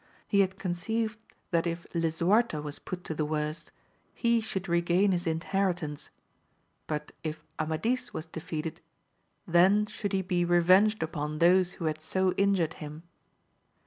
He had conceived that if Lisuarte was put to the worst, he should regain his inheritance ; but if Amadis was defeated, then should he be re venged upon those who had so injured him.